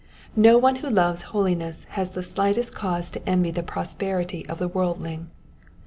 No one who loves holiness has the slightest cause to envy the prosperity of the worldling.